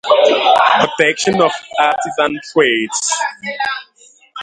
Protection of artisan trades.